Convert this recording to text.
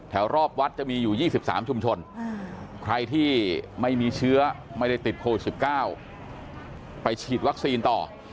รอบวัดจะมีอยู่๒๓ชุมชนใครที่ไม่มีเชื้อไม่ได้ติดโควิด๑๙ไปฉีดวัคซีนต่อ